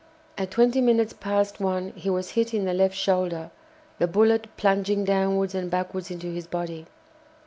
At twenty minutes past one he was hit in the left shoulder, the bullet plunging downwards and backwards into his body.